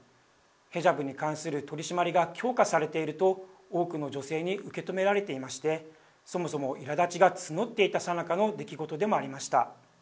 ヘジャブに関する取締りが強化されていると多くの女性に受け止められていましてそもそも、いらだちが募っていたさなかの出来事でもありました。